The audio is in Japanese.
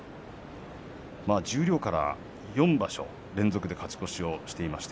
十両から４場所連続で勝ち越しをしています。